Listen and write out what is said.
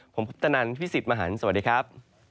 ผมพุทธนันพี่สิทธิ์มหันฯสวัสดีครับ